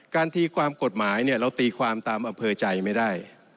การตีความกฎหมายเราตีความตามอเภอใจไม่ได้